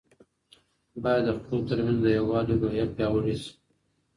باید د خلګو ترمنځ د یووالي روحیه پیاوړې سي.